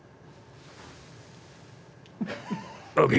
ＯＫ。